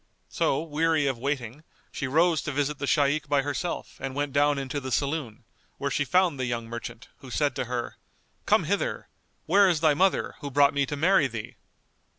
So weary of waiting, she rose to visit the Shaykh by herself and went down into the saloon, where she found the young merchant, who said to her, "Come hither! where is thy mother, who brought me to marry thee?"